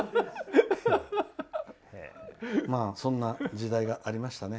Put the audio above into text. そんな時代がありましたね。